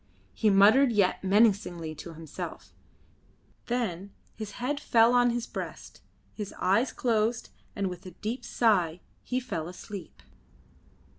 He muttered yet menacingly to himself, then his head fell on his breast, his eyes closed, and with a deep sigh he fell asleep.